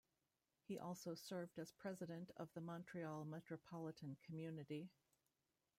He also served as president of the Montreal Metropolitan Community.